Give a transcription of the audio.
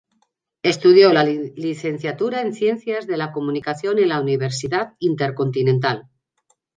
Estudió la licenciatura en Ciencias de la Comunicación en la Universidad Intercontinental.